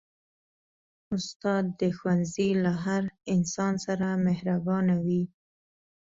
استاد د ښوونځي له هر انسان سره مهربانه وي.